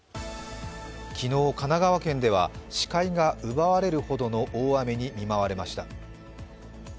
昨日神奈川県では、司会が奪われるほどの大雨に見舞われました。